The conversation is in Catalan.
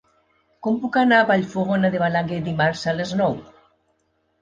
Com puc anar a Vallfogona de Balaguer dimarts a les nou?